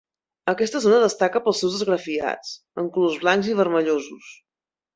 Aquesta zona destaca pels seus esgrafiats, en colors blancs i vermellosos.